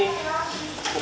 dia mulai agak kagum